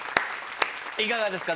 いかがですか？